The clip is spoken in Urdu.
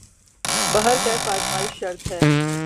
بہرکیف آزمائش شرط ہے ۔